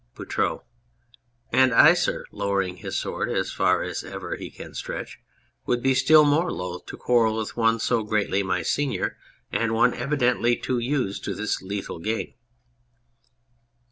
BOUTROUX. And I, sir (lowering his sword as far as ever he can stretch}, would be still more loath to quarrel with one so greatly my senior and one evidently too used to this lethal game.